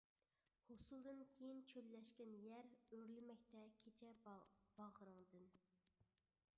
ھوسۇلدىن كېيىن چۆللەشكەن يەر ئۆرلىمەكتە كېچە باغرىڭدىن.